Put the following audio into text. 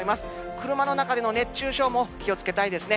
車の中での熱中症も気をつけたいですね。